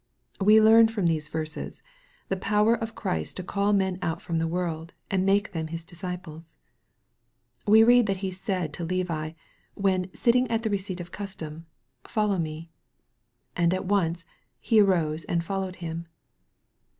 We learn from these verses the power of Christ to call men out from the world, and make them His disciples. We read that he said to Levi, when " sitting at the receipt of custom, Follow me." And at once " he arose and followed him."